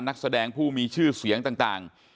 นักแสดงผู้มีชื่อเสียงต่าง